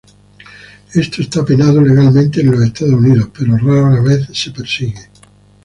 Esto está penado legalmente en Estados Unidos, pero rara vez se persigue.